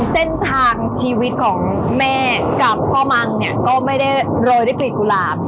เส้นทางชีวิตของแม่กับพ่อมังเนี่ยก็ไม่ได้โรยด้วยกลิ่นกุหลาบ